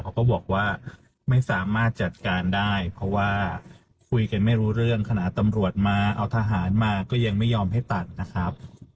เขาก็บอกว่าไม่สามารถจัดการได้เพราะว่าคุยกันไม่รู้เรื่องขณะตำรวจมาเอาทหารมาก็ยังไม่ยอมให้ตัดนะครับ